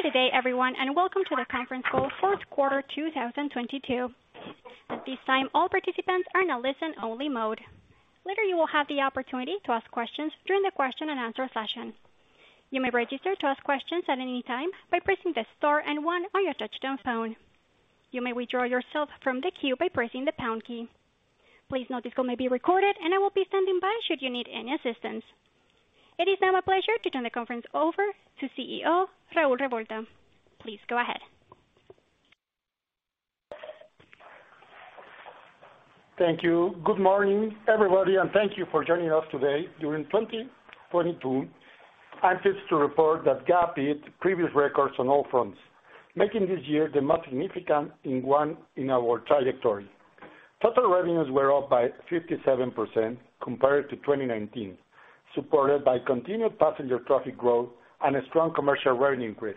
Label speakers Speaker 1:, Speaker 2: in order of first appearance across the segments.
Speaker 1: Good day everyone, and welcome to the conference call fourth quarter 2022. At this time, all participants are in a listen only mode. Later you will have the opportunity to ask questions during the question and answer session. You may register to ask questions at any time by pressing the star and one on your touchtone phone. You may withdraw yourself from the queue by pressing the pound key. Please note this call may be recorded, and I will be standing by should you need any assistance. It is now my pleasure to turn the conference over to CEO Raúl Revuelta. Please go ahead.
Speaker 2: Thank you. Good morning, everybody, thank you for joining us today. During 2022, I'm pleased to report that GAP hit previous records on all fronts, making this year the most significant and one in our trajectory. Total revenues were up by 57% compared to 2019, supported by continued passenger traffic growth and a strong commercial revenue increase.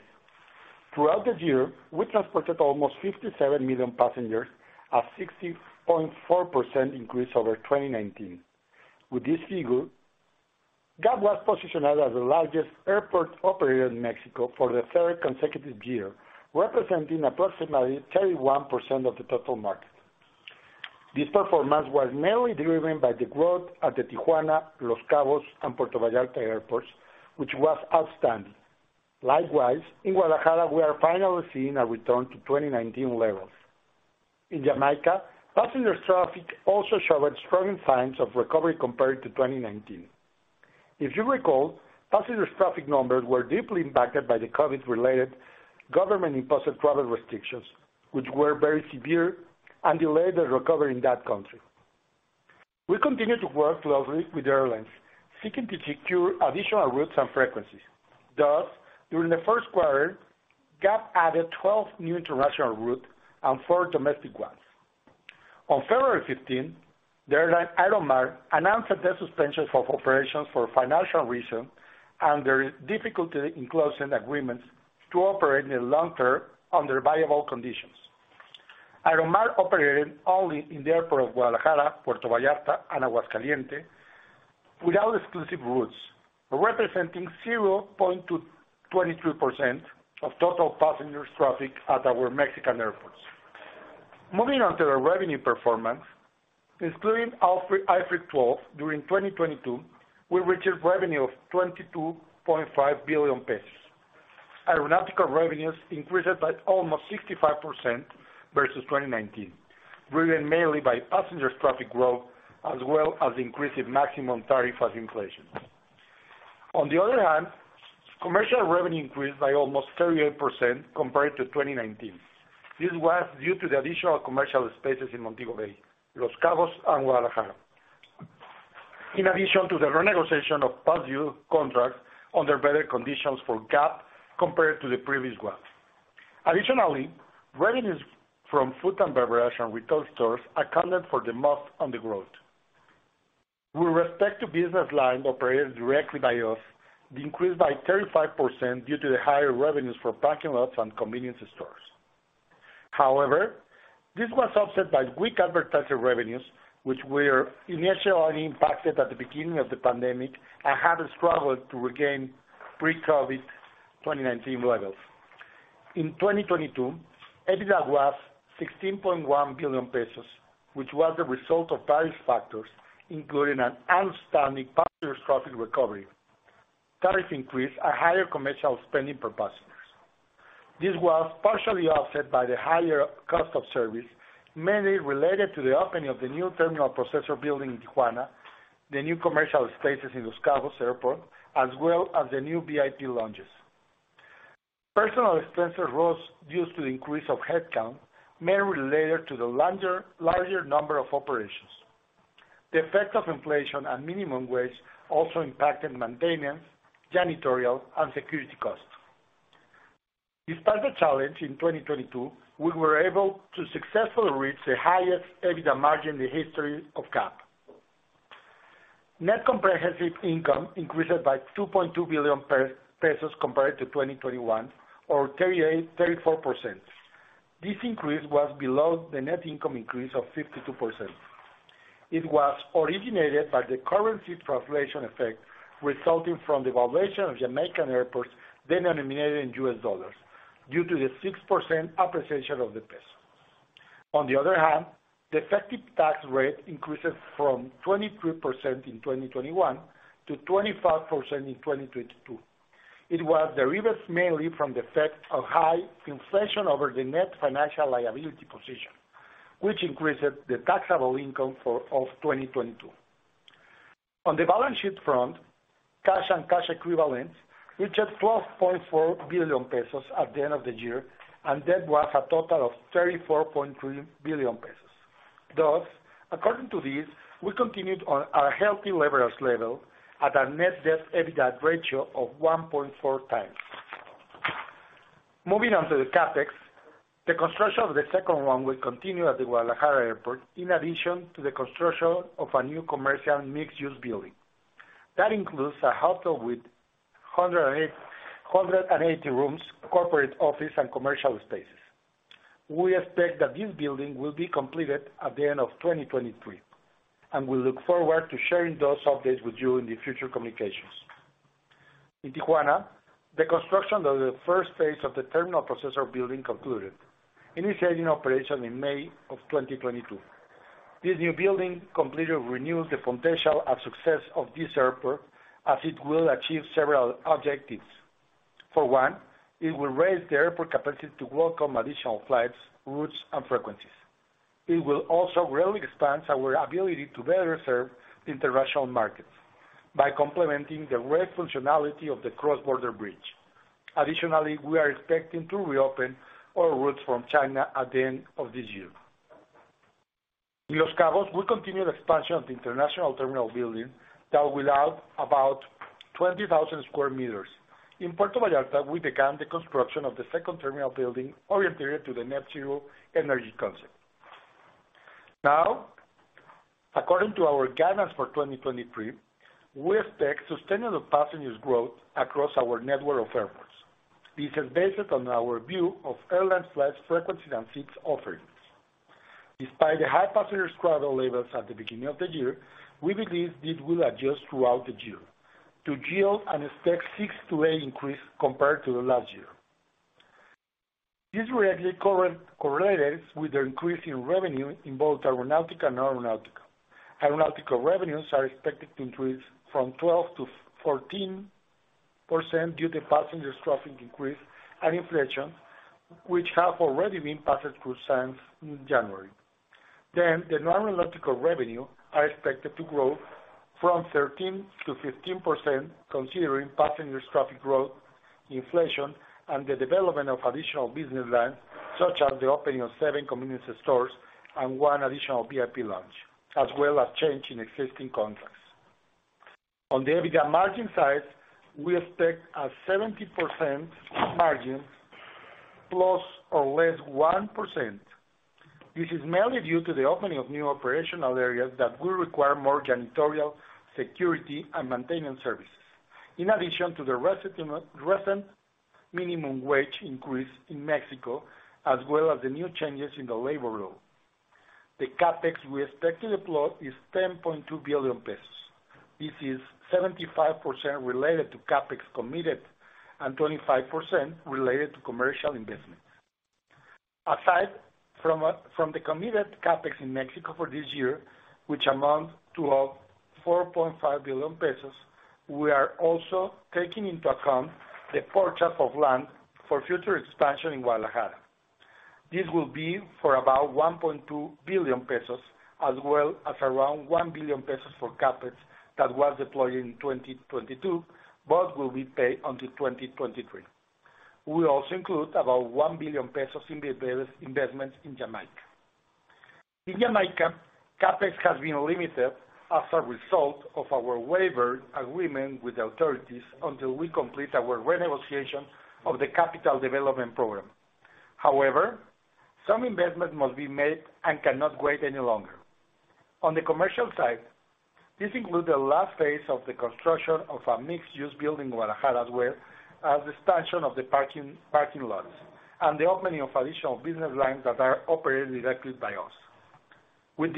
Speaker 2: Throughout the year, we transported almost 57 million passengers, a 60.4% increase over 2019. With this figure, GAP was positioned as the largest airport operator in Mexico for the third consecutive year, representing approximately 31% of the total market. This performance was mainly driven by the growth at the Tijuana, Los Cabos, and Puerto Vallarta airports, which was outstanding. Likewise, in Guadalajara, we are finally seeing a return to 2019 levels. In Jamaica, passengers traffic also showed strong signs of recovery compared to 2019. If you recall, passengers traffic numbers were deeply impacted by the COVID-related government imposed travel restrictions, which were very severe and delayed the recovery in that country. We continue to work closely with airlines seeking to secure additional routes and frequencies. Thus, during the first quarter, GAP added 12 new international routes and four domestic ones. On February 15, the airline Aeromar announced the suspension of operations for financial reasons and their difficulty in closing agreements to operate in the long term under viable conditions. Aeromar operated only in the airport of Guadalajara, Puerto Vallarta, and Aguascalientes, without exclusive routes, representing 0.22% of total passengers traffic at our Mexican airports. Moving on to the revenue performance, excluding IFRIC 12, during 2022, we reached revenue of 22.5 billion pesos. Aeronautical revenues increased by almost 65% versus 2019, driven mainly by passengers traffic growth as well as increase in maximum tariff as inflation. On the other hand, commercial revenue increased by almost 38% compared to 2019. This was due to the additional commercial spaces in Montego Bay, Los Cabos, and Guadalajara. In addition to the renegotiation of past due contracts under better conditions for GAP compared to the previous ones. Additionally, revenues from food and beverage and retail stores accounted for the most undergrowth. With respect to business lines operated directly by us, they increased by 35% due to the higher revenues for parking lots and convenience stores. This was offset by weak advertising revenues, which were initially impacted at the beginning of the pandemic and have struggled to regain pre-COVID 2019 levels. In 2022, EBITDA was 16.1 billion pesos, which was the result of various factors, including an outstanding passengers traffic recovery, tariff increase, and higher commercial spending per passengers. This was partially offset by the higher cost of service, mainly related to the opening of the new terminal processor building in Tijuana, the new commercial spaces in Los Cabos Airport, as well as the new VIP lounges. Personnel expenses rose due to the increase of headcount, mainly related to the larger number of operations. The effect of inflation and minimum wage also impacted maintenance, janitorial, and security costs. Despite the challenge in 2022, we were able to successfully reach the highest EBITDA margin in the history of GAP. Net comprehensive income increased by 2.2 billion pesos compared to 2021, or 34%. This increase was below the net income increase of 52%. It was originated by the currency translation effect resulting from the valuation of Jamaican airports, eliminated in U.S. dollars due to the 6% appreciation of the peso. On the other hand, the effective tax rate increases from 23% in 2021 to 25% in 2022. It was derived mainly from the effect of high inflation over the net financial liability position, which increased the taxable income of 2022. On the balance sheet front, cash and cash equivalents reached 12.4 billion pesos at the end of the year, and debt was a total of 34.3 billion pesos. According to this, we continued on our healthy leverage level at a net debt to EBITDA ratio of 1.4x. Moving on to the CapEx. The construction of the second one will continue at the Guadalajara Airport, in addition to the construction of a new commercial mixed-use building. That includes a hotel with 180 rooms, corporate office, and commercial spaces. We expect that this building will be completed at the end of 2023. We look forward to sharing those updates with you in the future communications. In Tijuana, the construction of the first phase of the terminal processor building concluded, initiating operation in May of 2022. This new building completely renews the potential and success of this airport as it will achieve several objectives. For one, it will raise the airport capacity to welcome additional flights, routes, and frequencies. It will also really expand our ability to better serve international markets by complementing the great functionality of the cross-border bridge. Additionally, we are expecting to reopen our routes from China at the end of this year. In Los Cabos, we continue the expansion of the international terminal building that will add about 20,000 square meters. In Puerto Vallarta, we began the construction of the second terminal building oriented to the net zero energy concept. Now, according to our guidance for 2023, we expect sustainable passengers growth across our network of airports. This is based on our view of airline flights, frequency, and seats offerings. Despite the high passenger growth levels at the beginning of the year, we believe this will adjust throughout the year to yield and expect 6%-8% increase compared to the last year. This directly correlates with the increase in revenue in both aeronautical and non-aeronautical. Aeronautical revenues are expected to increase from 12%-14% due to passengers traffic increase and inflation, which have already been passed through since January. The non-aeronautical revenue are expected to grow from 13%-15%, considering passengers traffic growth, inflation, and the development of additional business lines, such as the opening of seven convenience stores and 1 additional VIP Lounge, as well as change in existing contracts. On the EBITDA margin side, we expect a 70% margin, ±1%. This is mainly due to the opening of new operational areas that will require more janitorial, security, and maintenance services, in addition to the recent minimum wage increase in Mexico, as well as the new changes in the labor law. The CapEx we expect to deploy is 10.2 billion pesos. This is 75% related to CapEx committed and 25% related to commercial investments. Aside from the committed CapEx in Mexico for this year, which amount to 4.5 billion pesos, we are also taking into account the purchase of land for future expansion in Guadalajara. This will be for about 1.2 billion pesos, as well as around 1 billion pesos for CapEx that was deployed in 2022, but will be paid until 2023. We also include about 1 billion pesos in the investments in Jamaica. In Jamaica, CapEx has been limited as a result of our waiver agreement with the authorities until we complete our renegotiation of the capital development program. Some investment must be made and cannot wait any longer. On the commercial side, this includes the last phase of the construction of a mixed-use building in Guadalajara, as well as expansion of the parking lots, and the opening of additional business lines that are operated directly by us. With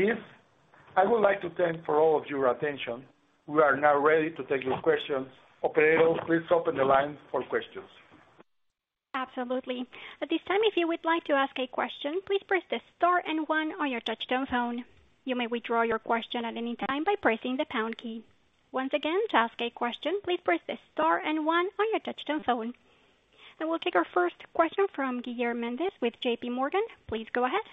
Speaker 2: this, I would like to thank for all of your attention. We are now ready to take your questions. Operator, please open the lines for questions.
Speaker 1: Absolutely. At this time, if you would like to ask a question, please press star and one on your touch-tone phone. You may withdraw your question at any time by pressing the pound key. Once again, to ask a question, please press star and one on your touch-tone phone. We'll take our first question from Guilherme Mendes with J.P. Morgan. Please go ahead.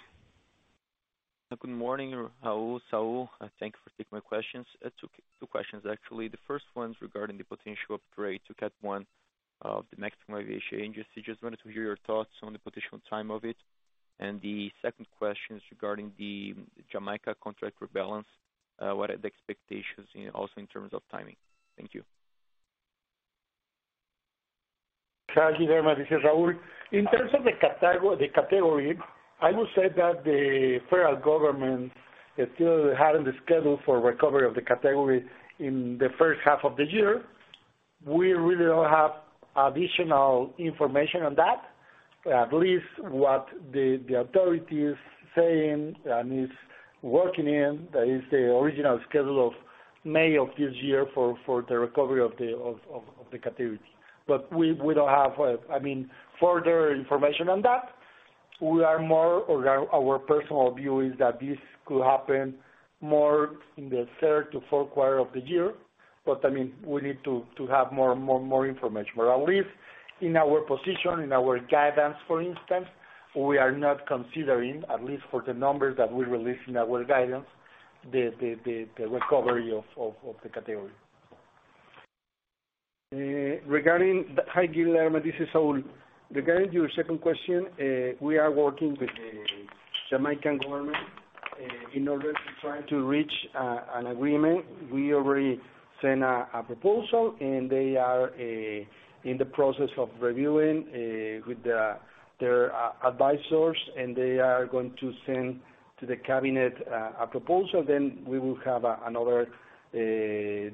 Speaker 3: Good morning, Raúl, Saúl. Thank you for taking my questions. two questions actually. The first one's regarding the potential upgrade to Category 1 of the Mexican aviation industry. Just wanted to hear your thoughts on the potential time of it. The second question is regarding the Jamaica contract rebalance. What are the expectations, you know, also in terms of timing? Thank you.
Speaker 2: Hi, Guilherme. This is Raul. In terms of the category, I will say that the federal government is still having the schedule for recovery of the category in the first half of the year. We really don't have additional information on that. At least what the authority is saying and is working in, that is the original schedule of May of this year for the recovery of the category. We don't have, I mean, further information on that. We are more. Our personal view is that this could happen more in the third to fourth quarter of the year. I mean, we need to have more information. At least in our position, in our guidance, for instance, we are not considering, at least for the numbers that we release in our guidance, the recovery of the category.
Speaker 4: Hi, Guilherme Mendes, this is Saúl. Regarding your second question, we are working with the Jamaican government in order to try to reach an agreement. We already sent a proposal, and they are in the process of reviewing with their advisors, and they are going to send to the cabinet a proposal. We will have another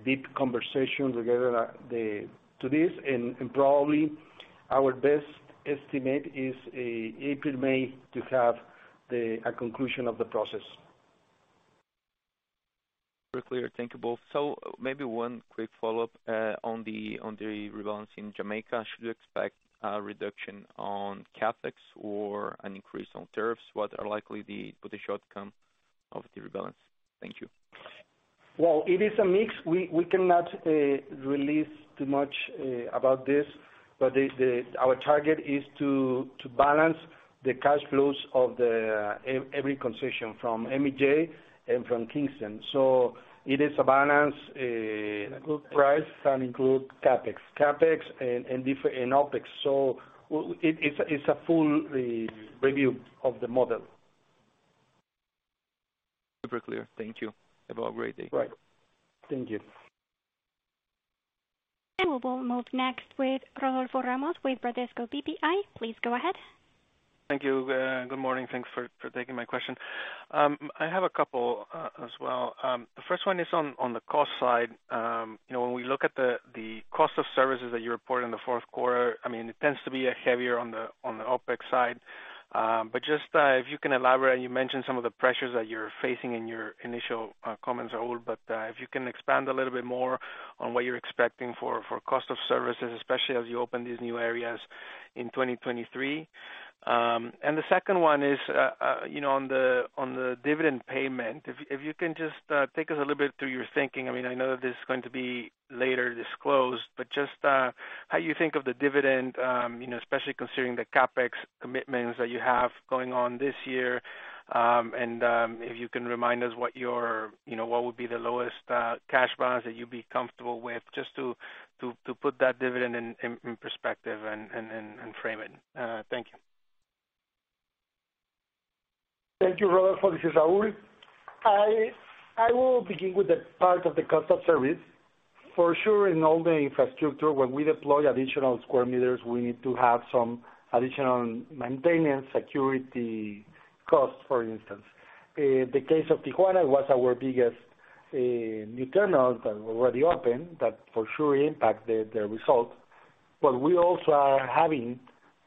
Speaker 4: deep conversation together to this, and probably our best estimate is April, May to have a conclusion of the process.
Speaker 3: Very clear. Thank you both. Maybe one quick follow-up on the, on the rebalance in Jamaica. Should we expect a reduction on CapEx or an increase on tariffs? What are likely the potential outcome of the rebalance? Thank you.
Speaker 2: Well, it is a mix. We cannot release too much about this, but our target is to balance the cash flows of every concession from MBJ and from Kingston. It is a balance. Include price and include CapEx. CapEx and OpEx. It is a full review of the model.
Speaker 3: Super clear. Thank you. Have a great day.
Speaker 2: Right. Thank you.
Speaker 1: We'll move next with Rodolfo Ramos with Bradesco BBI. Please go ahead.
Speaker 5: Thank you. Good morning. Thanks for taking my question. I have a couple as well. The first one is on the cost side. You know, when we look at the cost of services that you report in the fourth quarter, I mean, it tends to be a heavier on the OpEx side. Just, if you can elaborate, you mentioned some of the pressures that you're facing in your initial comments overall. If you can expand a little bit more on what you're expecting for cost of services, especially as you open these new areas in 2023. The second one is, you know, on the dividend payment. If you can just take us a little bit through your thinking. I mean, I know that this is going to be later disclosed, but just, how you think of the dividend, you know, especially considering the CapEx commitments that you have going on this year? And, if you can remind us what your, you know, what would be the lowest cash balance that you'd be comfortable with just to put that dividend in perspective and frame it. Thank you.
Speaker 2: Thank you, Rodolfo. This is Raúl. I will begin with the part of the cost of service. For sure, in all the infrastructure, when we deploy additional square meters, we need to have some additional maintenance security costs, for instance. The case of Tijuana was our biggest new terminal that already opened that for sure impact the result. We also are having,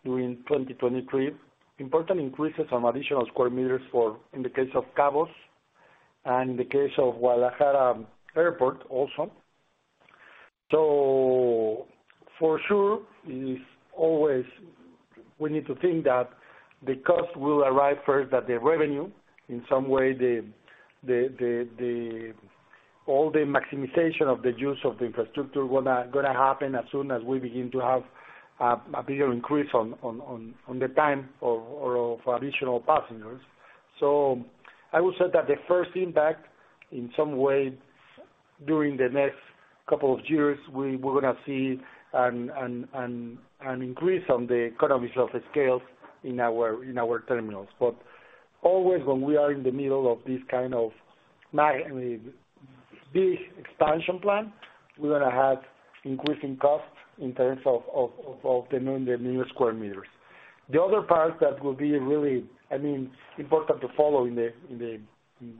Speaker 2: during 2023, important increases on additional square meters for, in the case of Cabos and in the case of Guadalajara Airport also. For sure is always we need to think that the cost will arrive first, that the revenue, in some way, the all the maximization of the use of the infrastructure gonna happen as soon as we begin to have a bigger increase on the time of additional passengers. I would say that the first impact, in some way, during the next couple of years, we're gonna see an increase on the economies of the scales in our terminals. Always when we are in the middle of this kind of I mean, big expansion plan, we're gonna have increasing costs in terms of the new square meters. The other part that will be really, I mean, important to follow in the,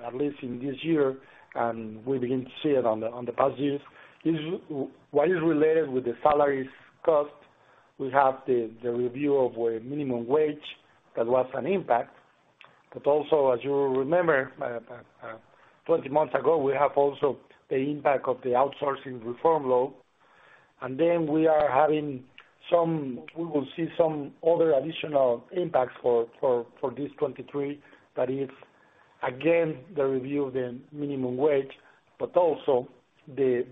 Speaker 2: at least in this year, and we begin to see it on the past years, is what is related with the salaries cost. We have the review of a minimum wage that was an impact. Also, as you remember, 20 months ago, we have also the impact of the Outsourcing Reform Law. We will see some other additional impacts for this 2023. That is, again, the review of the minimum wage, but also the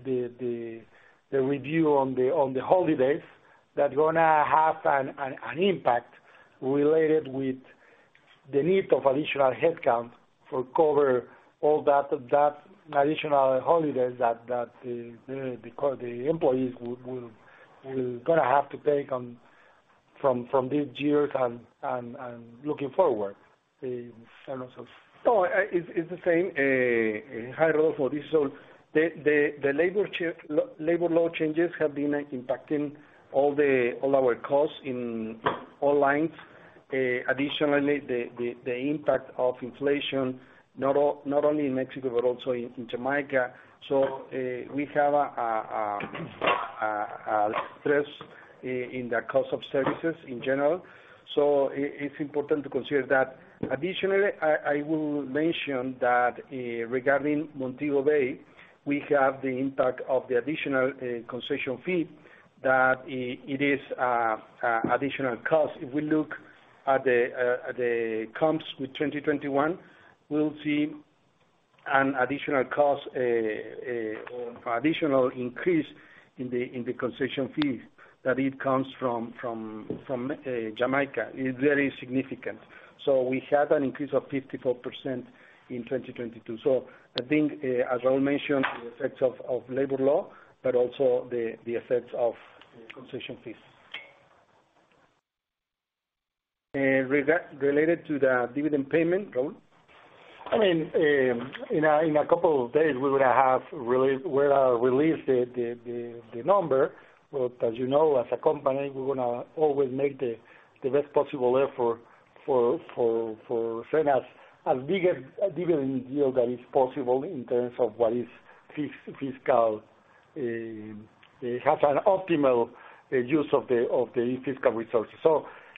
Speaker 2: review on the holidays that gonna have an impact related with the need of additional headcount for cover all that additional holidays that the employees will gonna have to take on from these years and looking forward.
Speaker 4: Hi Rodolfo. This is Saúl. The labor law changes have been impacting all our costs in all lines. Additionally, the impact of inflation, not only in Mexico, but also in Jamaica. We have a stress in the cost of services in general. It's important to consider that. Additionally, I will mention that regarding Montego Bay, we have the impact of the additional concession fee, that it is additional cost. If we look at the comps with 2021, we'll see an additional cost or additional increase in the concession fees that it comes from Jamaica. It's very significant. We had an increase of 54% in 2022. I think as Raul mentioned, the effects of labor law, but also the effects of the concession fees. Related to the dividend payment, Raul?
Speaker 2: I mean, in a couple of days, we're gonna have release the number. As you know, as a company, we're gonna always make the best possible effort for FEMSA as big a yield that is possible in terms of what is fiscal, has an optimal use of the fiscal resources.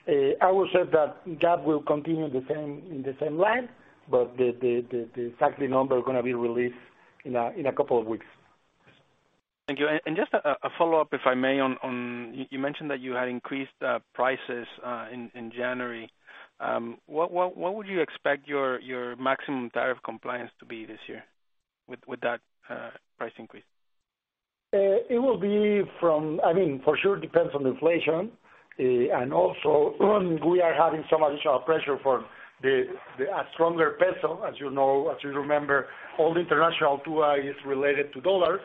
Speaker 2: I would say that GAP will continue the same, in the same line, but the exact number is gonna be released in a couple of weeks.
Speaker 5: Thank you. Just a follow-up, if I may, on you mentioned that you had increased prices in January. What would you expect your maximum tariff compliance to be this year with that price increase?
Speaker 2: I mean, for sure it depends on inflation. Also, we are having some additional pressure from a stronger peso. As you know, as you remember, all international TUA is related to U.S.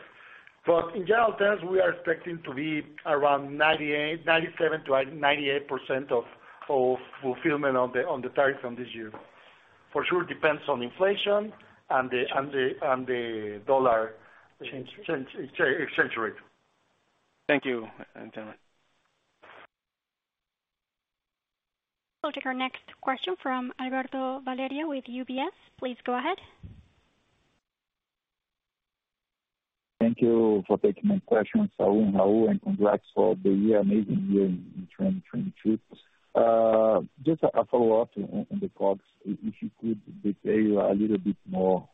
Speaker 2: dollar. In general terms, we are expecting to be around 98%, 97% to 80%, 98% of fulfillment on the tariff on this year. For sure it depends on inflation and the U.S. dollar exchange rate.
Speaker 5: Thank you. Done.
Speaker 1: We'll take our next question from Alberto Valerio with UBS. Please go ahead.
Speaker 6: Thank you for taking my question, Saúl and Raúl, congrats for the year, amazing year in 2022. Just a follow-up on the costs. If you could detail a little bit more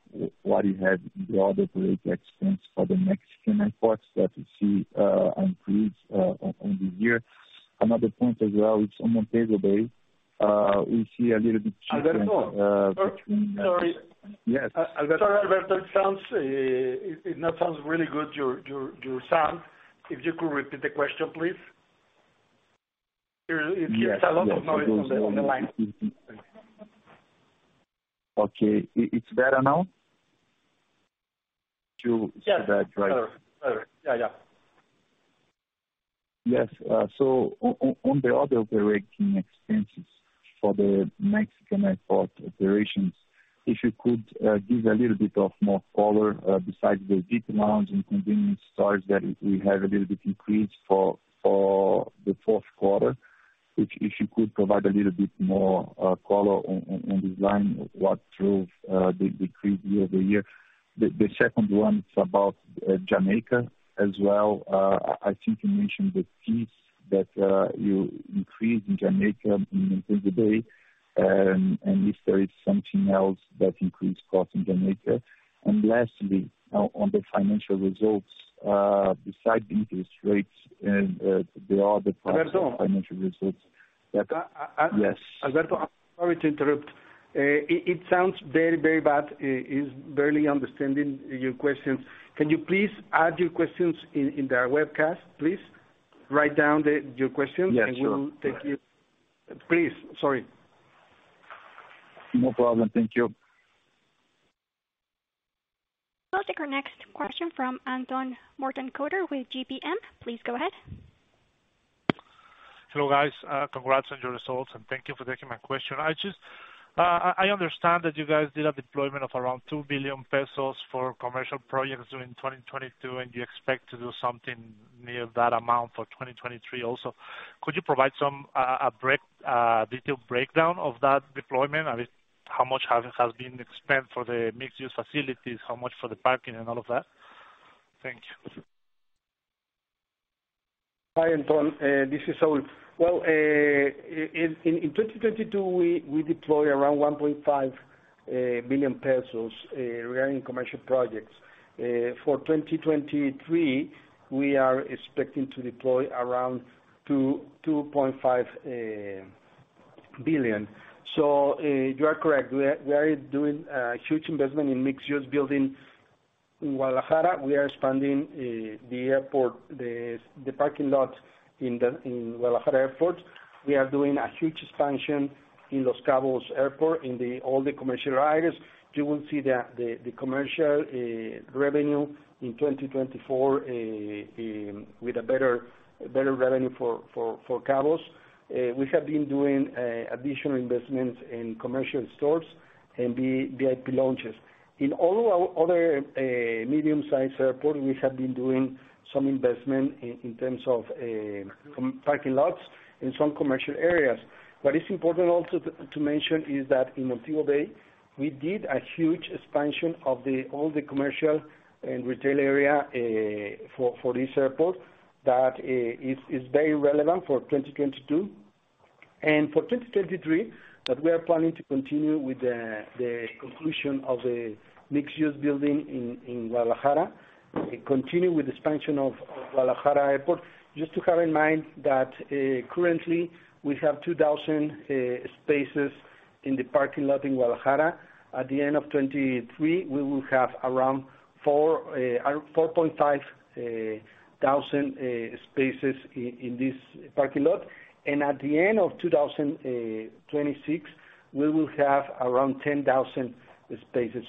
Speaker 6: what you had in the other operating expense for the Mexican airports that you see increased on the year. Another point as well is on Montego Bay. We see a little bit.
Speaker 2: Alberto.
Speaker 6: Uh.
Speaker 2: Sorry.
Speaker 6: Yes.
Speaker 2: Sorry, Alberto. It not sounds really good, your sound. If you could repeat the question, please.
Speaker 6: Yes.
Speaker 2: There is a lot of noise on the line.
Speaker 6: Okay. It's better now?
Speaker 2: Yes.
Speaker 6: That's right.
Speaker 2: Better. Better. Yeah, yeah.
Speaker 6: Yes. On the other operating expenses for the Mexican airport operations, if you could give a little bit more color, besides the VIP Lounge and convenience stores that we have a little bit increased for the fourth quarter. If you could provide a little bit more color on this line, what drove the increase year-over-year. The second one is about Jamaica as well. I think you mentioned the fees that you increased in Jamaica in Montego Bay, and if there is something else that increased costs in Jamaica. Lastly, on the financial results, besides interest rates, there are other.
Speaker 2: Alberto.
Speaker 6: Of the financial results that... Yes.
Speaker 2: Alberto, I'm sorry to interrupt. It sounds very bad. Is barely understanding your questions. Can you please add your questions in the webcast, please? Write down your questions.
Speaker 6: Yes, sure.
Speaker 2: We will take you. Please. Sorry.
Speaker 6: No problem. Thank you.
Speaker 1: We'll take our next question from Antony Morokotter with GBM. Please go ahead.
Speaker 7: Hello, guys. Congrats on your results, and thank you for taking my question. I just, I understand that you guys did a deployment of around 2 billion pesos for commercial projects during 2022. You expect to do something near that amount for 2023 also. Could you provide some detailed breakdown of that deployment? I mean, how much has been spent for the mixed-use facilities, how much for the parking and all of that? Thank you.
Speaker 4: Hi, Antony. This is Saúl. Well, in 2022, we deployed around 1.5 billion pesos regarding commercial projects. For 2023, we are expecting to deploy around 2.5 billion MXN. You are correct. We are doing a huge investment in mixed-use building in Guadalajara. We are expanding the airport, the parking lot in the Guadalajara airport. We are doing a huge expansion in Los Cabos Airport in all the commercial areas. You will see the commercial revenue in 2024 with a better revenue for Cabos. We have been doing additional investments in commercial stores and VIP lounges. In all our other medium-sized airport, we have been doing some investment in terms of parking lots in some commercial areas. What is important also to mention is that in Montego Bay, we did a huge expansion of the, all the commercial and retail area for this airport that is very relevant for 2022. For 2023, that we are planning to continue with the conclusion of the mixed-use building in Guadalajara, continue with expansion of Guadalajara Airport. Just to have in mind that currently we have 2,000 spaces in the parking lot in Guadalajara. At the end of 2023, we will have around 4,500 spaces in this parking lot. At the end of 2026, we will have around 10,000 spaces.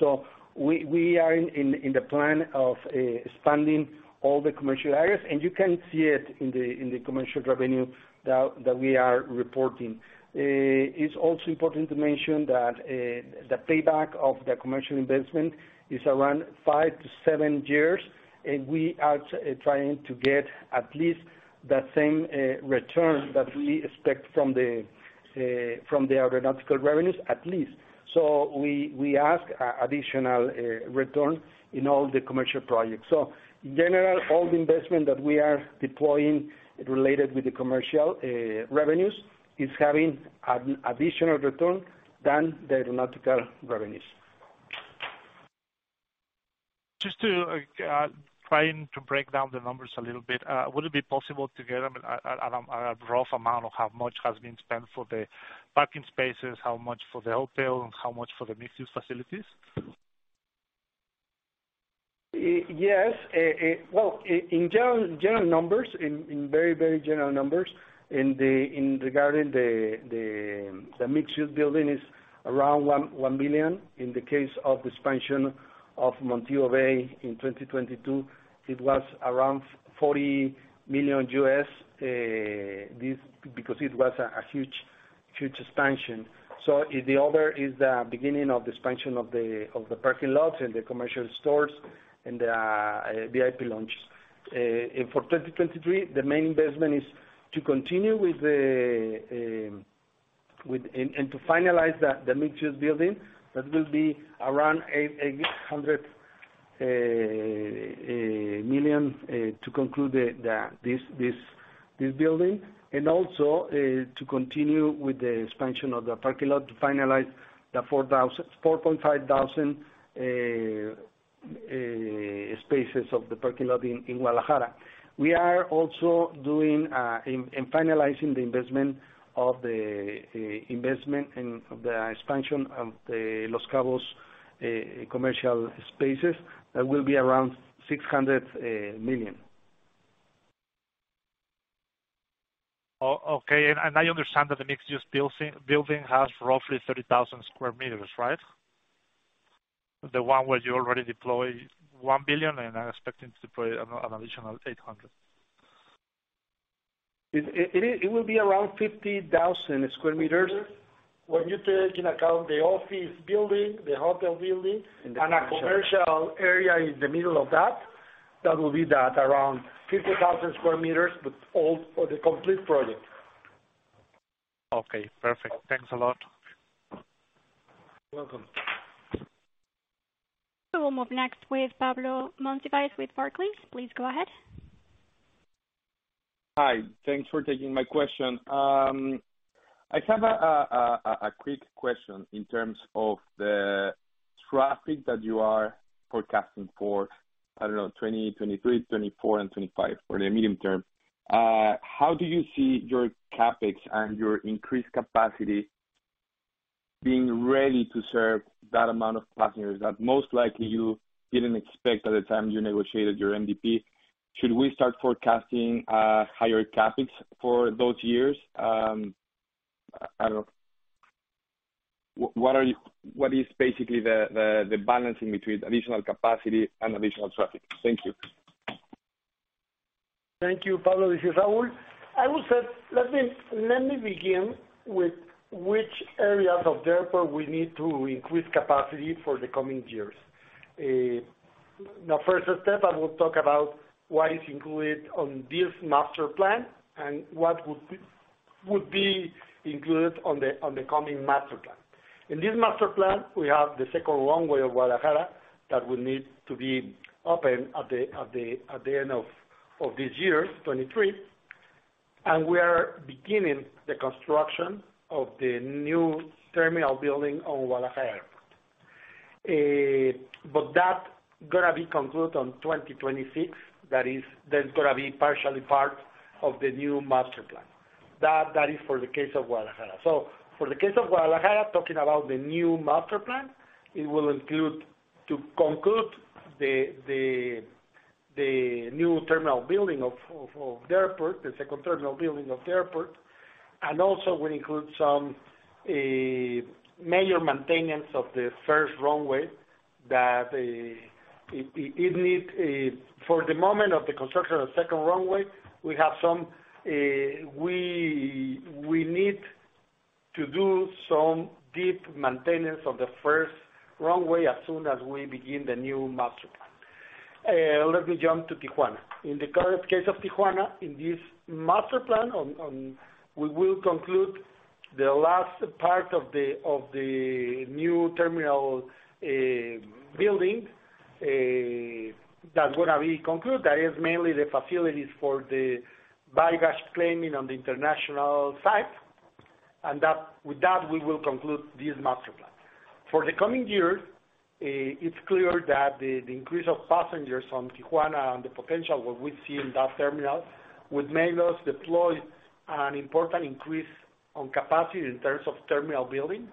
Speaker 4: We are in the plan of expanding all the commercial areas, and you can see it in the commercial revenue that we are reporting. It's also important to mention that the payback of the commercial investment is around 5-7 years. We are trying to get at least the same return that we expect from the aeronautical revenues at least. We ask additional return in all the commercial projects. In general, all the investment that we are deploying related with the commercial revenues is having an additional return than the aeronautical revenues.
Speaker 7: Just to, like, trying to break down the numbers a little bit, would it be possible to get a rough amount of how much has been spent for the parking spaces, how much for the hotel, and how much for the mixed-use facilities?
Speaker 4: Yes. Well, in general numbers, in very, very general numbers, regarding the mixed-use building is around 1 million. In the case of expansion of Paseo de Montejo in 2022, it was around $40 million because it was a huge, huge expansion. The other is the beginning of the expansion of the parking lots and the commercial stores and the VIP Lounge. For 2023, the main investment is to continue with and to finalize the mixed-use building, that will be around 800 million to conclude this building, and also to continue with the expansion of the parking lot to finalize the 4,500 spaces of the parking lot in Guadalajara. We are also doing, and finalizing the investment of the investment and the expansion of the Los Cabos commercial spaces. That will be around 600 million.
Speaker 7: Okay. I now understand that the mixed-use building has roughly 30,000 square meters, right? The one where you already deployed 1 billion and are expecting to deploy an additional 800 million.
Speaker 4: It will be around 50,000 square meters. When you take into account the office building, the hotel building.
Speaker 7: The commercial.
Speaker 4: A commercial area in the middle of that will be at around 50,000 square meters for the complete project.
Speaker 7: Okay. Perfect. Thanks a lot.
Speaker 4: You're welcome.
Speaker 1: We will move next with Pablo Monsivais with Barclays. Please go ahead.
Speaker 8: Hi. Thanks for taking my question. I have a quick question in terms of the traffic that you are forecasting for, I don't know, 2023, 2024 and 2025 for the medium term. How do you see your CapEx and your increased capacity being ready to serve that amount of passengers that most likely you didn't expect at the time you negotiated your MDP? Should we start forecasting higher CapEx for those years? I don't know. What is basically the balancing between additional capacity and additional traffic? Thank you.
Speaker 2: Thank you, Pablo. This is Raúl, I would say, let me begin with which areas of the airport we need to increase capacity for the coming years. The first step I will talk about what is included on this master plan and what would be included on the coming master plan. In this master plan, we have the second runway of Guadalajara that will need to be open at the end of this year, 2023. We are beginning the construction of the new terminal building on Guadalajara Airport. That gonna be conclude on 2026. That's gonna be partially part of the new master plan. That is for the case of Guadalajara. For the case of Guadalajara, talking about the new master plan, it will include to conclude the new terminal building of the airport, the second terminal building of the airport, and also will include some major maintenance of the first runway that it need. For the moment of the construction of the second runway, we have some, we need to do some deep maintenance on the first runway as soon as we begin the new master plan. Let me jump to Tijuana. In the current case of Tijuana, in this master plan we will conclude the last part of the new terminal building that's gonna be conclude. That is mainly the facilities for the baggage claiming on the international side. With that, we will conclude this master plan. For the coming years, it's clear that the increase of passengers from Tijuana and the potential what we see in that terminal would make us deploy an important increase on capacity in terms of terminal building,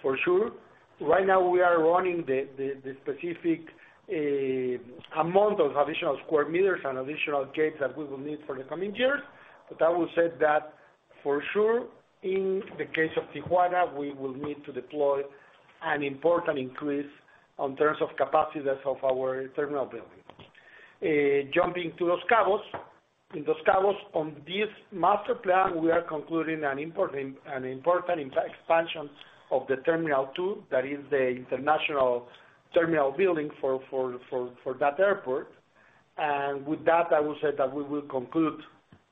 Speaker 2: for sure. Right now we are running the, the specific amount of additional square meters and additional gates that we will need for the coming years. I will say that, for sure, in the case of Tijuana, we will need to deploy an important increase on terms of capacities of our terminal building. Jumping to Los Cabos. In Los Cabos, on this master plan, we are concluding an important, an important expansion of the terminal two, that is the international terminal building for that airport. With that, I will say that we will conclude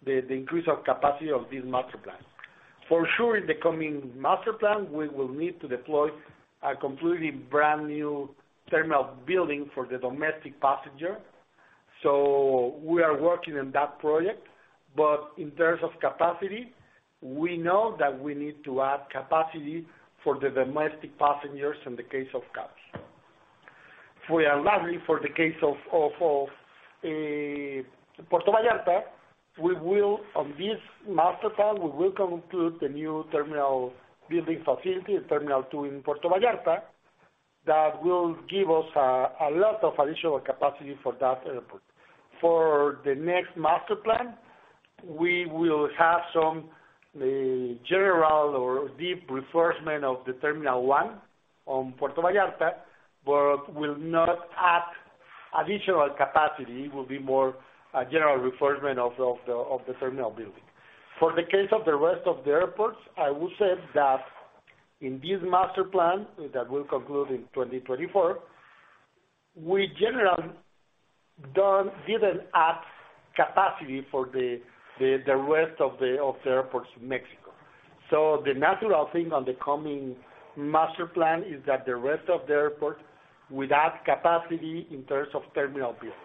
Speaker 2: the increase of capacity of this master plan. For sure, in the coming master plan, we will need to deploy a completely brand new terminal building for the domestic passenger. We are working on that project. In terms of capacity, we know that we need to add capacity for the domestic passengers in the case of Cabos. If we are lucky for the case of Puerto Vallarta, we will, on this master plan, we will conclude the new terminal building facility, terminal two in Puerto Vallarta, that will give us a lot of additional capacity for that airport. For the next master plan, we will have some general or deep reinforcement of the terminal one on Puerto Vallarta, but we'll not add additional capacity, it will be more a general reinforcement of the terminal building. For the case of the rest of the airports, I will say that in this master plan that will conclude in 2024, we generally didn't add capacity for the rest of the airports in Mexico. The natural thing on the coming master plan is that the rest of the airport will add capacity in terms of terminal buildings.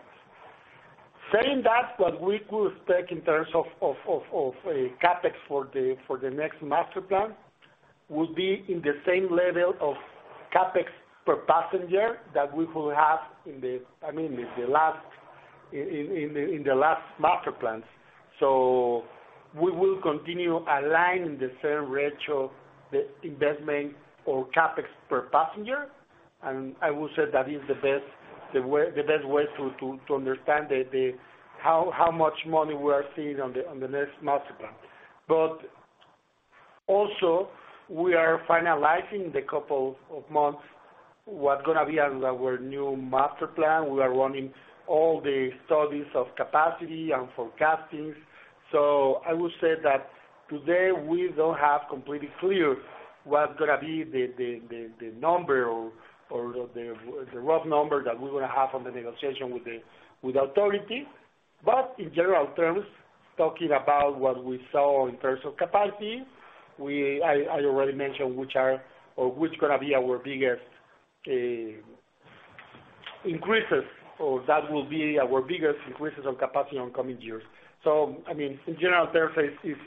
Speaker 2: Saying that, what we could expect in terms of CapEx for the next master plan, will be in the same level of CapEx per passenger that we will have in the, I mean, in the last master plans. We will continue aligning the same ratio, the investment or CapEx per passenger. I will say that is the best, the best way to understand how much money we are seeing on the next master plan. Also we are finalizing the couple of months, what gonna be our new master plan. We are running all the studies of capacity and forecastings. I will say that today we don't have completely clear what's gonna be the number or the rough number that we're gonna have on the negotiation with the authority. In general terms, talking about what we saw in terms of capacity, I already mentioned which are or which gonna be our biggest increases, or that will be our biggest increases on capacity on coming years. I mean, in general terms, is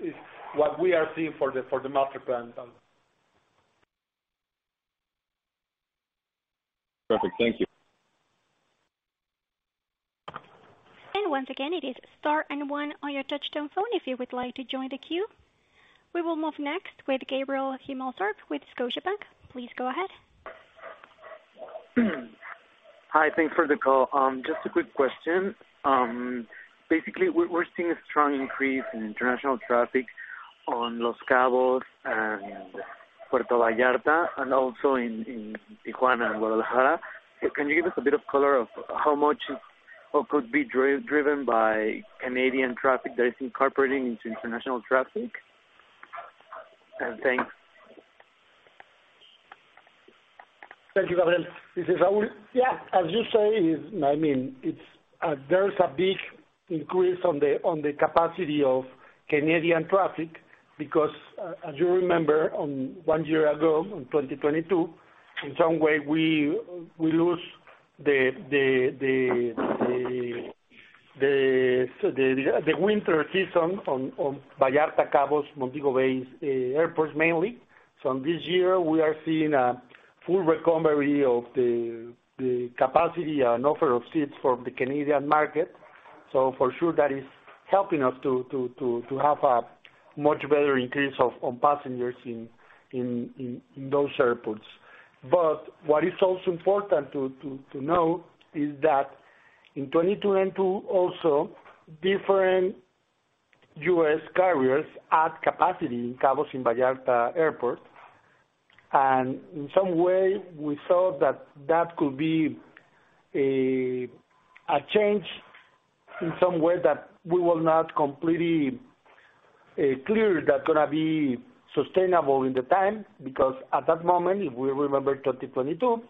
Speaker 2: what we are seeing for the master plan.
Speaker 8: Perfect. Thank you.
Speaker 1: Once again, it is star and one on your touchtone phone if you would like to join the queue. We will move next with Gabriel Himelfarb with Scotiabank. Please go ahead.
Speaker 9: Hi, thanks for the call. Just a quick question. Basically we're seeing a strong increase in international traffic on Los Cabos and Puerto Vallarta, and also in Tijuana and Guadalajara. Can you give us a bit of color of how much of what could be driven by Canadian traffic that is incorporating into international traffic? Thanks.
Speaker 2: Thank you, Gabriel. This is Raúl. As you say, is, I mean, it's, there's a big increase on the capacity of Canadian traffic because as you remember, one year ago, in 2022, in some way we lose the winter season on Vallarta, Cabos, Montego Bay's airports mainly. This year we are seeing a full recovery of the capacity and offer of seats from the Canadian market. For sure that is helping us to have a much better increase of on passengers in those airports. What is also important to know is that in 2022 also, different U.S. carriers add capacity in Cabos, in Vallarta Airport. In some way we saw that that could be a change in some way that we were not completely clear that gonna be sustainable in the time, because at that moment, if we remember 2022,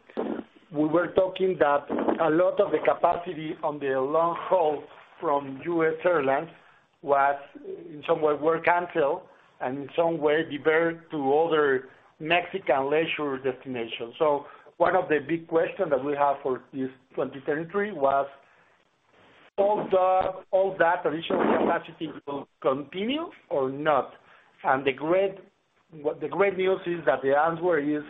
Speaker 2: we were talking that a lot of the capacity on the long haul from U.S. airlines was in some way were canceled and in some way diverted to other Mexican leisure destinations. One of the big questions that we have for this 2023 was, all that additional capacity will continue or not. The great news is that the answer is,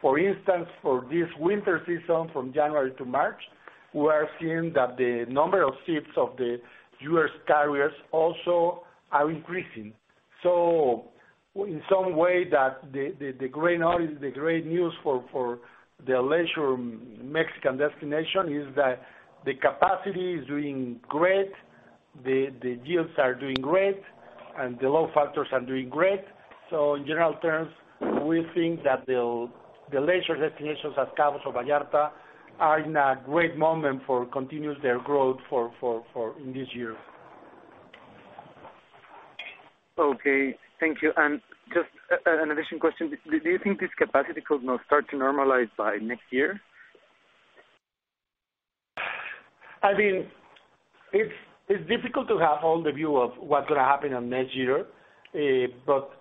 Speaker 2: for instance, for this winter season, from January to March, we are seeing that the number of seats of the U.S. carriers also are increasing. In some way that the great news for the leisure Mexican destination is that the capacity is doing great. The yields are doing great, and the load factors are doing great. In general terms, we think that the leisure destinations at Cabos or Vallarta are in a great moment for continuous their growth for in this year.
Speaker 9: Okay. Thank you. Just an addition question. Do you think this capacity could now start to normalize by next year?
Speaker 2: I mean, it's difficult to have all the view of what's gonna happen on next year.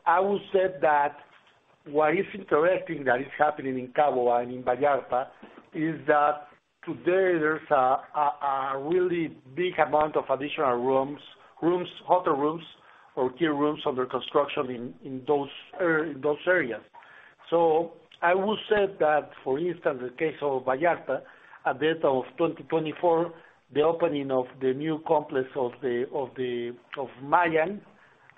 Speaker 2: I will say that what is interesting that is happening in Cabo and in Vallarta is that today there's a really big amount of additional rooms, hotel rooms or key rooms under construction in those areas. I will say that, for instance, the case of Vallarta, a bit of 2024, the opening of the new complex of the Mayan,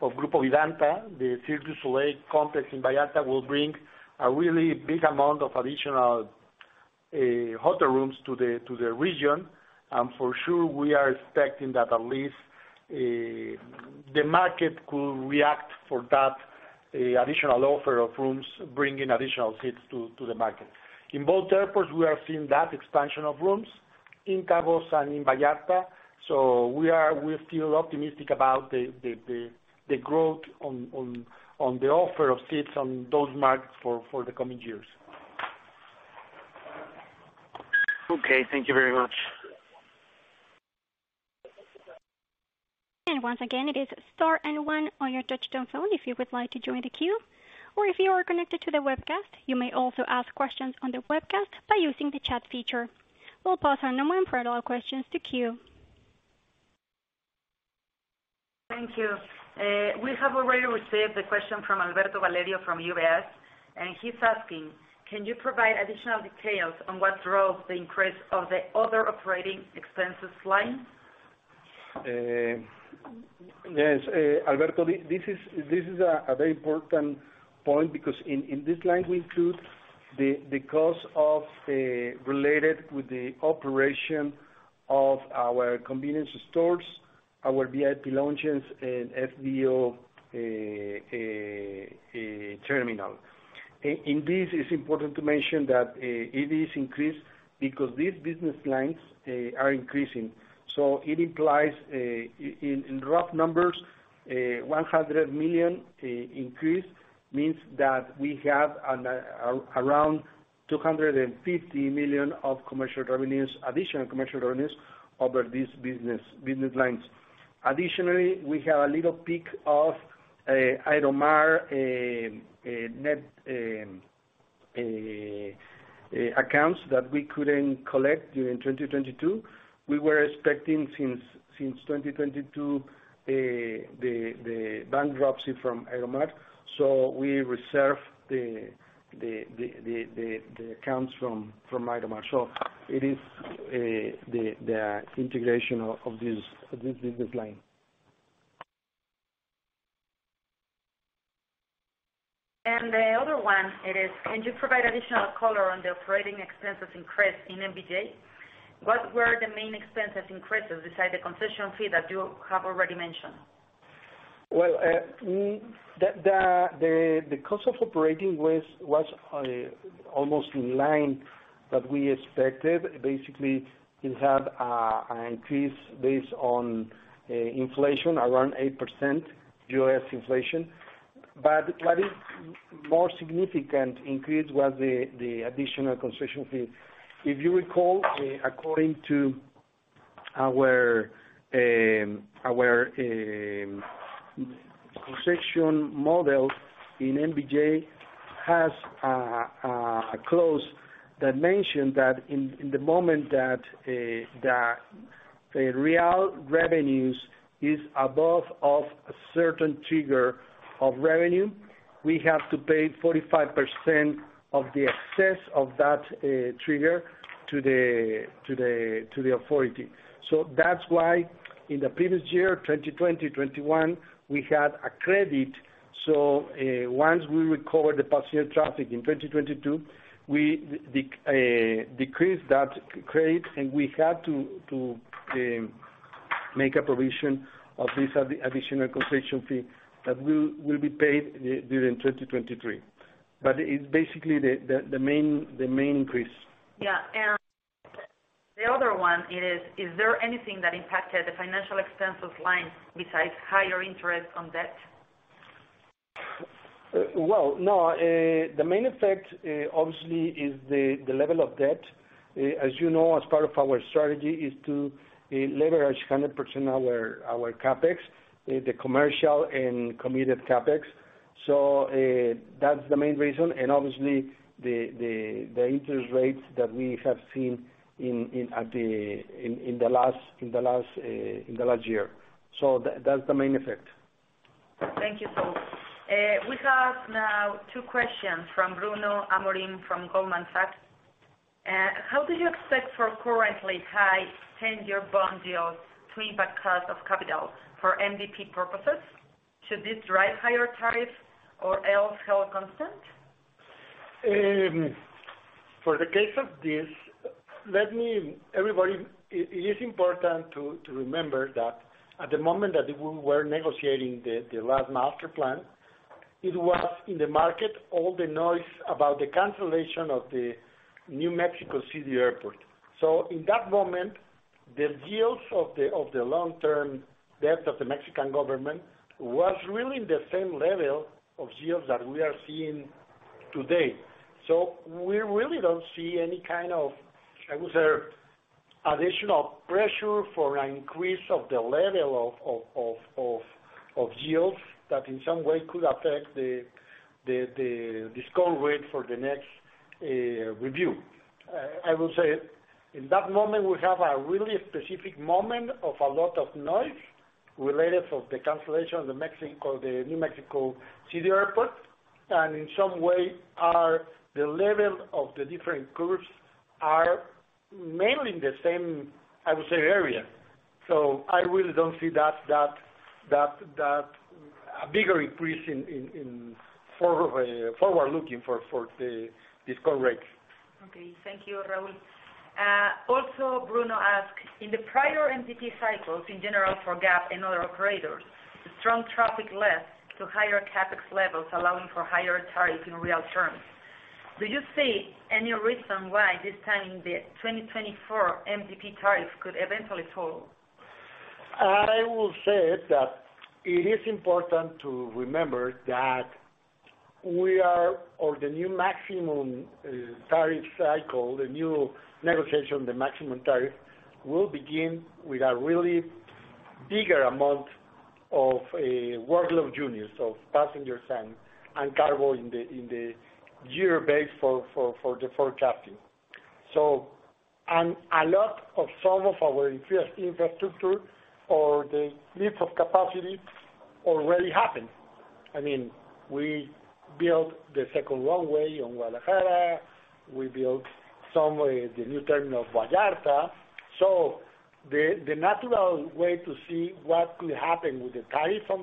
Speaker 2: of Grupo Vidanta, the Cirque du Soleil complex in Vallarta will bring a really big amount of additional hotel rooms to the region. For sure, we are expecting that at least the market could react for that additional offer of rooms, bringing additional seats to the market. In both airports, we are seeing that expansion of rooms, in Cabos and in Vallarta. We feel optimistic about the growth on the offer of seats on those markets for the coming years.
Speaker 9: Okay, thank you very much.
Speaker 1: Once again, it is star and one on your touchtone phone if you would like to join the queue, or if you are connected to the webcast, you may also ask questions on the webcast by using the chat feature. We'll pause our moment for other questions to queue.
Speaker 10: Thank you. We have already received the question from Alberto Valerio from UBS, and he's asking: can you provide additional details on what drove the increase of the other operating expenses line?
Speaker 2: Yes, Alberto, this is a very important point because in this line we include the cost related with the operation of our convenience stores, our VIP Lounge and FBO terminal. It's important to mention that it is increased because these business lines are increasing. It implies in rough numbers, 100 million increase means that we have an around 250 million of commercial revenues, additional commercial revenues over these business lines. Additionally, we have a little peak of Aeromar net accounts that we couldn't collect during 2022. We were expecting since 2022 the bankruptcy from Aeromar, we reserved the accounts from Aeromar. It is the integration of this business line.
Speaker 10: The other one it is: can you provide additional color on the operating expenses increase in MBJ? What were the main expenses increases beside the concession fee that you have already mentioned?
Speaker 2: The cost of operating was almost in line that we expected. It had a increase based on inflation, around 8% U.S. inflation. What is more significant increase was the additional concession fee. If you recall, according to our concession model in MBJ has a clause that mentioned that in the moment that the real revenues is above of a certain trigger of revenue, we have to pay 45% of the excess of that trigger to the authority. That's why in the previous year, 2020, 2021, we had a credit. Once we recovered the passenger traffic in 2022, we decreased that credit, and we had to make a provision of this additional concession fee that will be paid during 2023. It's basically the main increase.
Speaker 10: Yeah. The other one it is: is there anything that impacted the financial expenses line besides higher interest on debt?
Speaker 2: Well, no. The main effect obviously is the level of debt. As you know, as part of our strategy is to leverage 100% our CapEx, the commercial and committed CapEx. That's the main reason. Obviously, the interest rates that we have seen in the last year. That's the main effect.
Speaker 10: Thank you. We have now two questions from Bruno Amorim from Goldman Sachs. How do you expect for currently high 10-year bond yields to impact cost of capital for MDP purposes? Should this drive higher tariffs or else held constant?
Speaker 2: For the case of this, it is important to remember that at the moment that we were negotiating the last master plan, it was in the market all the noise about the cancellation of the New Mexico City Airport. In that moment, the yields of the long-term debt of the Mexican government was really the same level of yields that we are seeing today. We really don't see any kind of, I would say, additional pressure for an increase of the level of yields that in some way could affect the discount rate for the next review. I will say in that moment, we have a really specific moment of a lot of noise related of the cancellation of the New Mexico City Airport, and in some way our... The level of the different curves are mainly in the same, I would say, area. I really don't see that bigger increase in forward looking for the discount rate.
Speaker 10: Okay. Thank you, Raúl. Also Bruno asked, "In the prior MTP cycles in general for GAP and other operators, the strong traffic led to higher CapEx levels, allowing for higher tariffs in real terms. Do you see any reason why this time the 2024 MTP tariffs could eventually fall?
Speaker 2: I will say that it is important to remember that we are on the new maximum tariff cycle. The new negotiation, the maximum tariff, will begin with a really bigger amount of Workload Units, so passengers and cargo in the year base for the forecasting. A lot of some of our infrastructure or the leap of capacity already happened. I mean, we built the second runway on Guadalajara. We built some way the new terminal of Vallarta. The natural way to see what could happen with the tariff on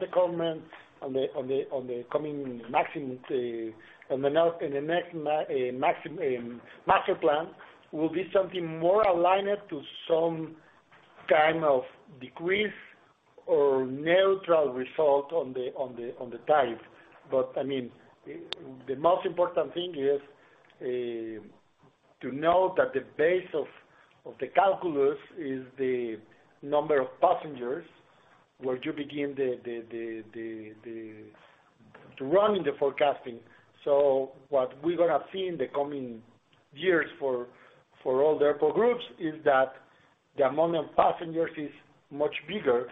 Speaker 2: the coming maximum on the next master plan will be something more aligned to some kind of decrease or neutral result on the tariff. I mean, the most important thing is to know that the base of the calculus is the number of passengers, where you begin the running the forecasting. What we're gonna see in the coming years for all the airport groups is that the amount of passengers is much bigger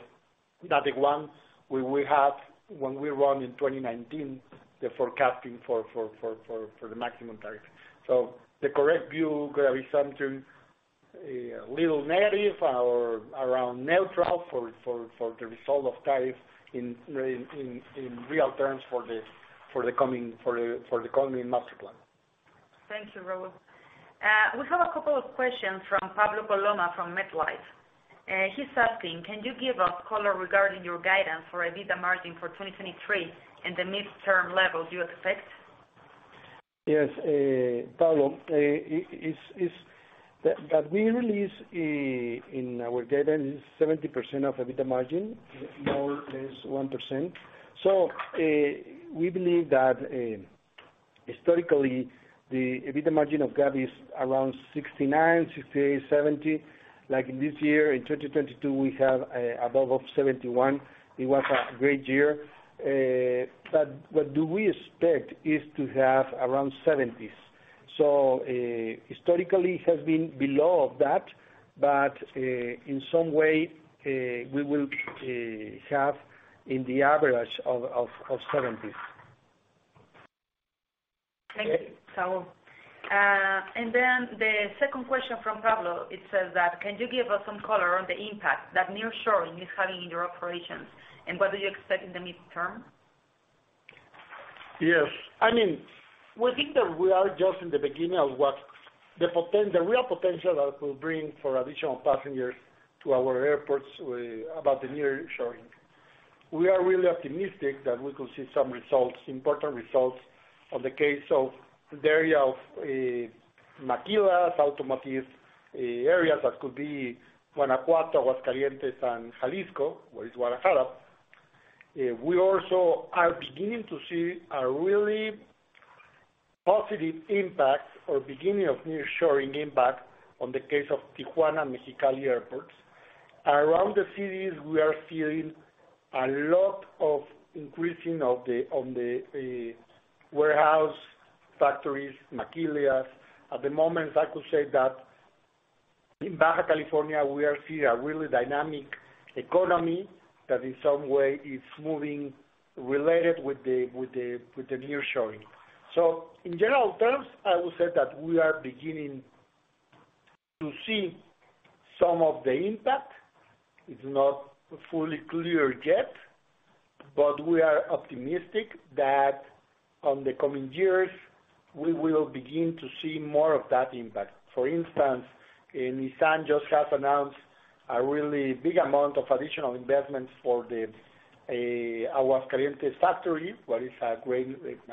Speaker 2: than the one we had when we run in 2019 the forecasting for the maximum tariff. The correct view gonna be something little negative or around neutral for the result of tariff in real terms for the coming master plan.
Speaker 10: Thank you, Raúl. We have a couple of questions from Pablo Villanueva from MetLife. He's asking, "Can you give us color regarding your guidance for EBITDA margin for 2023 and the midterm levels you expect?
Speaker 2: Yes. Pablo, we released in our guidance 70% of EBITDA margin, more is 1%. We believe that historically the EBITDA margin of GAP is around 69%, 68%, 70%. Like this year in 2022, we have above of 71%. It was a great year. What do we expect is to have around 70%s. Historically it has been below that, in some way, we will have in the average of 70%s.
Speaker 10: Thank you, Raúl. The second question from Pablo, it says that, "Can you give us some color on the impact that nearshoring is having in your operations and what do you expect in the midterm?
Speaker 2: Yes. I mean, we think that we are just in the beginning of what the real potential that will bring for additional passengers to our airports with about the nearshoring. We are really optimistic that we could see some results, important results on the case of the area of maquilas, automotive areas that could be Guanajuato, Aguascalientes, and Jalisco, what is Guadalajara. We also are beginning to see a really positive impact or beginning of nearshoring impact on the case of Tijuana and Mexicali airports. Around the cities, we are seeing a lot of increasing of the warehouse factories, maquilas. At the moment, I could say that in Baja California we are seeing a really dynamic economy that in some way is moving related with the nearshoring. In general terms, I would say that we are beginning to see some of the impact. It's not fully clear yet, but we are optimistic that on the coming years we will begin to see more of that impact. For instance, Nissan just has announced a really big amount of additional investments for the Aguascalientes factory, what is a great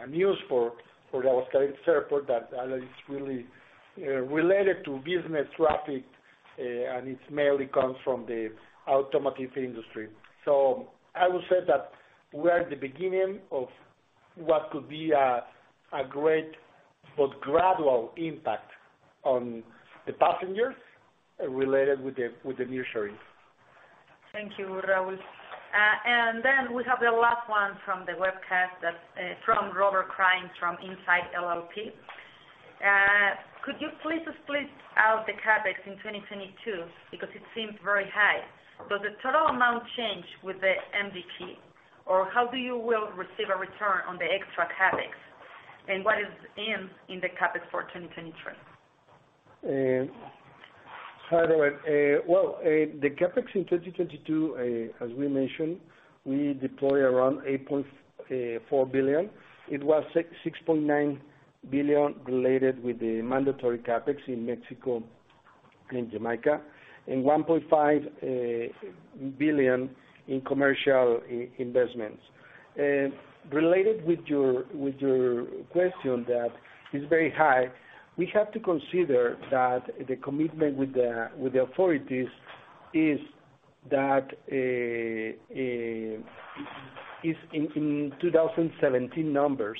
Speaker 2: news for the Aguascalientes airport that is really related to business traffic, and it mainly comes from the automotive industry. I would say that we are at the beginning of what could be a great but gradual impact on the passengers related with the nearshoring.
Speaker 10: Thank you, Raúl. Then we have the last one from the webcast that's from Robert Klein from Insight LLP. Could you please split out the CapEx in 2022 because it seems very high? Does the total amount change with the MDP, or how do you will receive a return on the extra CapEx? What is in the CapEx for 2023?
Speaker 2: Hi, Robert. Well, the CapEx in 2022, as we mentioned, we deployed around 8.4 billion. It was 6.9 billion related with the mandatory CapEx in Mexico and Jamaica, and 1.5 billion in commercial investments. Related with your question that is very high, we have to consider that the commitment with the authorities is that in 2017 numbers.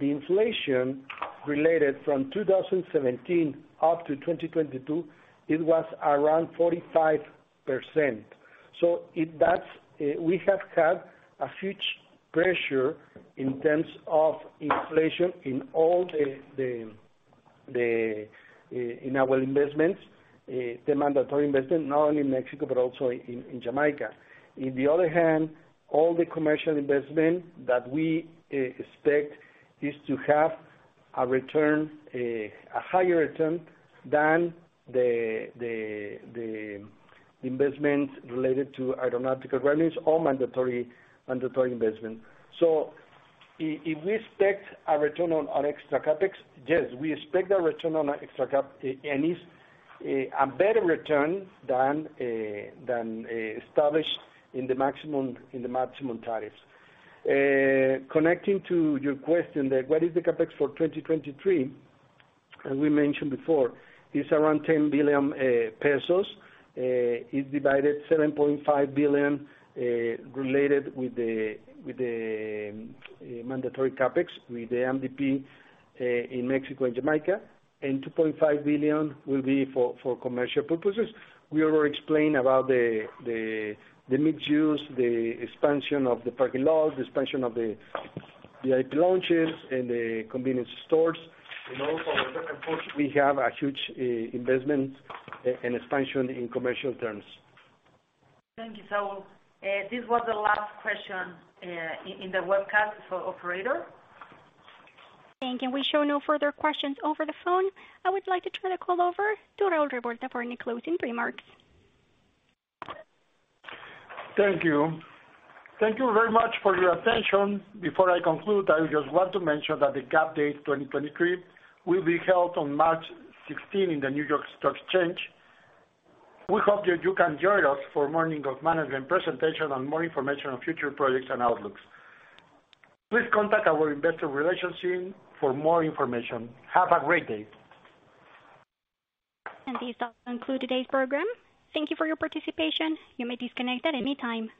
Speaker 2: The inflation related from 2017 up to 2022, it was around 45%. That's we have had a huge pressure in terms of inflation in all the investments, the mandatory investment, not only in Mexico but also in Jamaica. In the other hand, all the commercial investment that we expect is to have a return, a higher return than the investment related to aeronautical revenues or mandatory investment. If we expect a return on extra CapEx? Yes, we expect a return on extra CapEx, and is a better return than established in the maximum tariffs. Connecting to your question that what is the CapEx for 2023? As we mentioned before, it's around 10 billion pesos. It's divided 7.5 billion related with the mandatory CapEx, with the MDP, in Mexico and Jamaica. 2.5 billion will be for commercial purposes. We already explained about the mix use, the expansion of the parking lots, the expansion of the VIP lounges and the convenience stores. Also our second quarter we have a huge investment and expansion in commercial terms.
Speaker 10: Thank you. This was the last question, in the webcast for operator.
Speaker 1: We show no further questions over the phone. I would like to turn the call over to Raúl Revuelta for any closing remarks.
Speaker 2: Thank you. Thank you very much for your attention. Before I conclude, I just want to mention that the GAP Day 2023 will be held on March 16 in the New York Stock Exchange. We hope that you can join us for morning of management presentation and more information on future projects and outlooks. Please contact our investor relations team for more information. Have a great day.
Speaker 1: This does conclude today's program. Thank you for your participation. You may disconnect at any time.